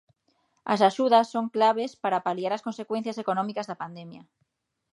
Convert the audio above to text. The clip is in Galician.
As axudas son claves para paliar as consecuencias económicas da pandemia.